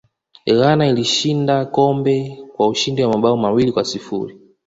ghana ilishinda kikombe kwa ushindi wa mabao mawili kwa sifuri